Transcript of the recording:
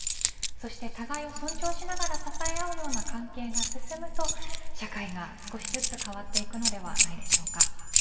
そして互いを尊重しながら支え合うような関係が進むと社会が少しずつ変わっていくのではないでしょうか。